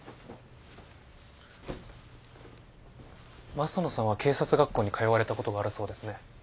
益野さんは警察学校に通われたことがあるそうですね。